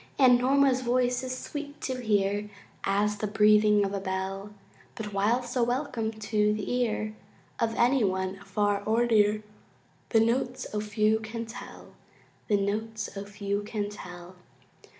And Norma's voice is sweet to hear As the breathing of a bell; But while so welcome to the ear Of any one afar or near, The notes, O few can tell! The notes, O few can tell!